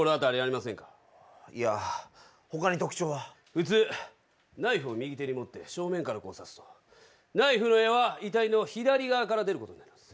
普通ナイフを右手に持って正面からこう刺すとナイフの柄は遺体の左側から出ることになります。